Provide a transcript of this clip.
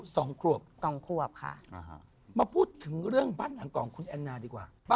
สวัสดีครับ